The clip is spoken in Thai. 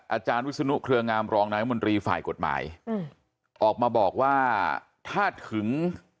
อาจารย์วิศนุเครืองามรองนายมนตรีฝ่ายกฎหมายออกมาบอกว่าถ้าถึง